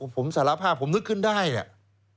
ผมสารภาพผมนึกขึ้นได้เนี่ย